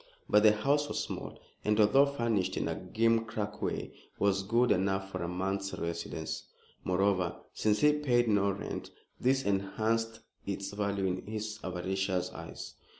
But the house was small, and, although furnished in a gimcrack way, was good enough for a month's residence. Moreover, since he paid no rent, this enhanced its value in his avaricious eyes.